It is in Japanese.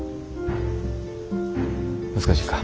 難しいか。